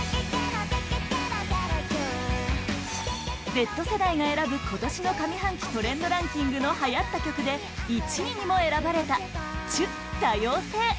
Ｚ世代が選ぶ、今年の上半期トレンドランキングのはやった曲で１位にも選ばれた「ちゅ、多様性。」